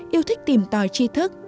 yêu thích tìm tòi tri thức